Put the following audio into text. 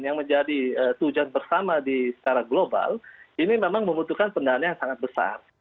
yang menjadi tujuan bersama secara global ini memang membutuhkan pendanaan yang sangat besar